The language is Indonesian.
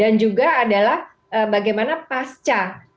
dan juga adalah bagaimana pandemi ini berjalan dengan lebih cepat